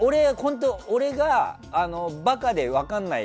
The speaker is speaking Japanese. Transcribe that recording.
俺が馬鹿で分からない。